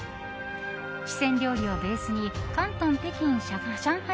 四川料理をベースに広東、北京、上海